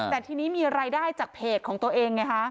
แต่ทีนี้มีรายได้จากเพจของตัวเองไงฮะ